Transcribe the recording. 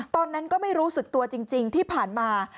ตอนนั้นก็ไม่รู้สึกตัวจริงที่ผ่านมา